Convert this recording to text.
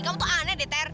kamu tuh aneh deh ter